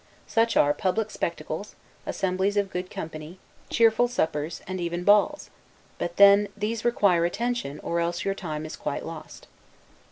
Such are public spectacles, assemblies of good company, cheerful suppers, and even balls; but then, these require attention, or else your time is quite lost.